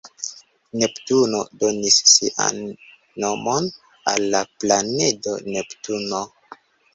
Neptuno donis sian nomon al la planedo Neptuno.